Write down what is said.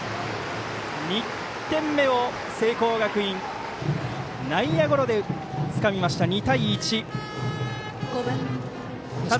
２点目を聖光学院内野ゴロでつかみました。